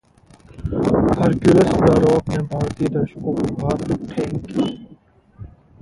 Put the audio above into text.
Hercules the Rock ने भारतीय दर्शकों को कहां, थैंक यू